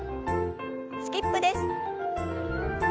スキップです。